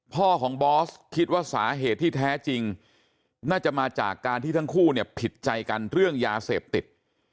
พ่อของบอสคิดว่าสาเหตุที่แท้จริงน่าจะมาจากการที่ทั้งคู่เนี่ยผิดใจกันเรื่องยาเสพติด